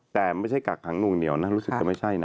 แต่ไม่ใช่กักขังนวงเหนียวนะรู้สึกจะไม่ใช่นะ